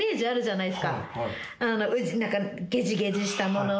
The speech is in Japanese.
なんかゲジゲジしたものとか。